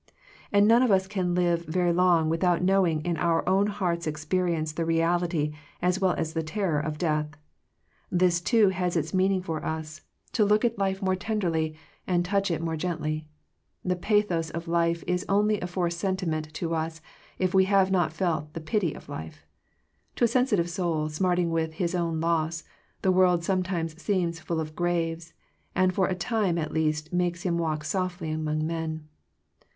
And none of us can live very long without knowing in our own heart's experience the reality, as well as the terror, of death. This too has its meaning for us, to look 118 Digitized by VjOOQIC THE ECLIPSE OF FRIENDSHIP at life more tenderly, and touch it more gently. The pathos of life is only a forced sentiment to us, if we have not felt the pity of life. To a sensitive soul, smarting with his own loss, the world sometimes seems full of graves, and for a time at least makes him walk softly among men.